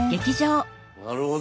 なるほど！